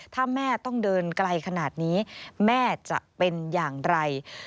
ถ้าแม่ต้องเดินไกลขนาดนี้แม่จะเป็นอย่างไร